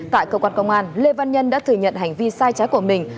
tại cơ quan công an lê văn nhân đã thừa nhận hành vi sai trái của mình